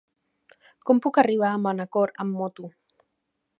Com puc arribar a Manacor amb moto?